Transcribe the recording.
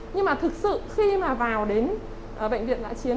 nhưng mà thực sự khi mà vào đến bệnh viện giã chiến